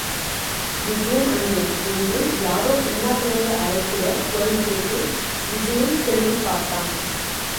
விஜயன் அண்ணே. என்று யாரோ பின்னால் இருந்து அழைக்கிற குரல்கேட்டு விஜயன் திருப்பிப் பார்த்தான்.